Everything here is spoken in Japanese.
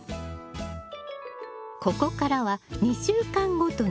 ここからは２週間ごとに追肥。